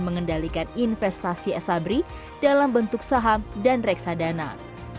mengendalikan investasi asabri dalam bentuk saham dan reksa asabri dan mengatasi kegiatan asabri dan